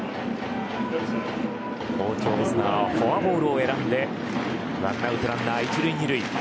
好調、オスナはフォアボールを選んで１アウト、ランナー１塁、２塁。